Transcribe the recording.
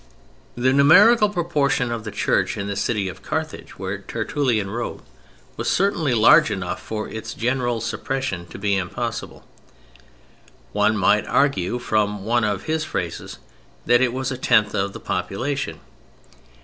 The numerical proportion of the Church in the city of Carthage, where Tertullian wrote, was certainly large enough for its general suppression to be impossible. One might argue from one of his phrases that it was a tenth of the population.